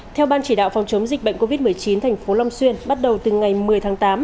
theo ban chỉ đạo phòng chống dịch bệnh covid một mươi chín thành phố long xuyên bắt đầu từ ngày một mươi tháng tám